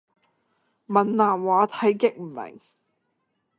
閩南話睇極唔明